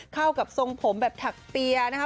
เข้ากับทรงผมแบบถักเปียร์นะคะ